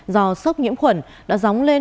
do sốc nhiễm khuẩn đã dóng lên